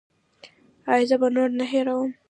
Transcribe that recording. ایا زه به نور نه هیروم؟